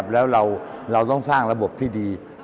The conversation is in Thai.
แล้วเราต้องสร้างระบบที่ดี